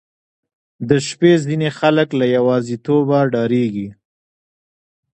• د شپې ځینې خلک له یوازیتوبه ډاریږي.